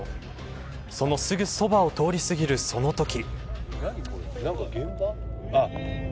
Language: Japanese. そのすぐそばを通り過ぎるそのとき。